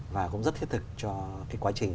và cũng rất thiết thực cho cái quá trình